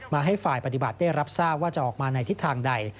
ให้ฝ่ายปฏิบัติได้รับทราบว่าจะออกมาในทิศทางใด